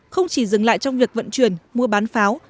không chỉ dừng lại trong việc vận chuyển mua bán pháo